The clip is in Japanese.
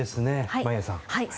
眞家さん。